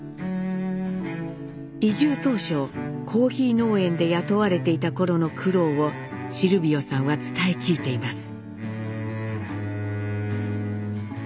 移住当初コーヒー農園で雇われていた頃の苦労をシルビオさんは伝え聞いています。